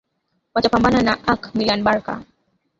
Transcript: watapambana na ac milan barca